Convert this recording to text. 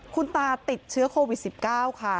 คุณตาติดเชื้อโควิด๑๙ค่ะ